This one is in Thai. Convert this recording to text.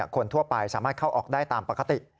คนทั่วไปสามารถเข้าออกได้ตามปกติ